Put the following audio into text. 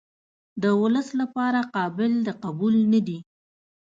د ولس لپاره قابل د قبول نه دي.